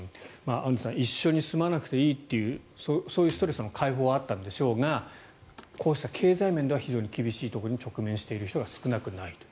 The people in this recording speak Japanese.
アンジュさん一緒に住まなくていいというそういうストレスの解放はあったんでしょうがこうした経済面では非常に厳しいところに直面している人が少なくないと。